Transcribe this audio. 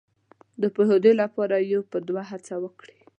د پوهېدو لپاره یو په دوه هڅه وکړي.